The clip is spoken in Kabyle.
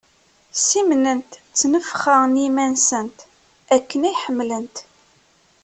Ssimnent ttnefxa n yiman-nsent, akken ay ḥemmlent.